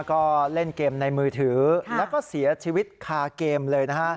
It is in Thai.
ก็เล่นเกมในมือถือแล้วก็เสียชีวิตคาเกมเลยนะฮะ